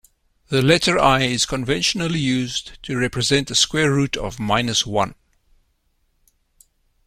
The letter i is conventionally used to represent the square root of minus one.